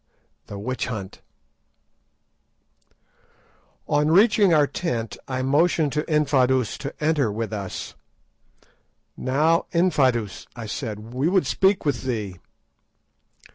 THE WITCH HUNT On reaching our hut I motioned to Infadoos to enter with us. "Now, Infadoos," I said, "we would speak with thee."